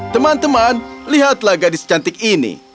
teman teman lihatlah gadis cantik ini